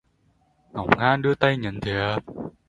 Ngổn ngang đưa tay nhận thiệp